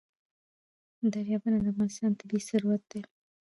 دریابونه د افغانستان طبعي ثروت دی.